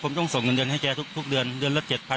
ผมต้องส่งเงินเดือนให้แกทุกเดือนเดือนละ๗๐๐